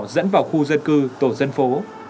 dẫn vào khu dân cư tổ dân phố